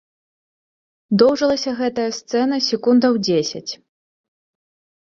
Доўжылася гэтая сцэна секундаў дзесяць.